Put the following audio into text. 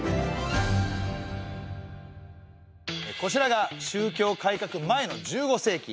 こちらが宗教改革前の１５世紀。